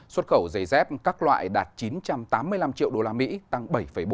xuất khẩu dây dép các loại đạt chín trăm tám mươi năm triệu usd tăng bảy bốn